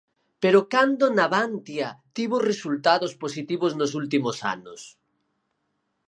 ¿Pero cando Navantia tivo resultados positivos nos últimos anos?